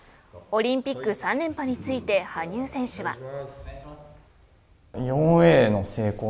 オリンピック３連覇について羽生選手は。